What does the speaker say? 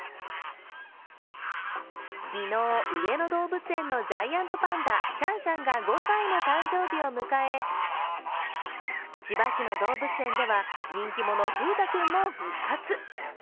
昨日、上野動物園のジャイアントパンダ、シャンシャンが５歳の誕生日を迎え千葉市の動物園では人気者風太くんも復活。